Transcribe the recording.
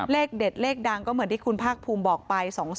เลขเด็ดเลขดังก็เหมือนที่คุณภาคภูมิบอกไป